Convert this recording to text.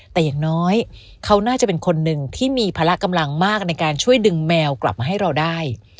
แต่อย่างน้อยเขาน่าจะเป็นคนหนึ่งที่มีพละกำลังมากในการช่วยดึงแมวกลับมาให้เราได้